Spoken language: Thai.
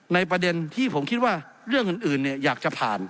ในประเด็นที่ผมคิดว่าเรื่องอื่นอื่นเนี่ยอยากจะผ่าน